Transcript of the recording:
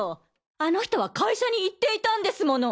あの人は会社に行っていたんですもの！